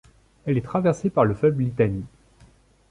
Elle est traversée par le fleuve Litani.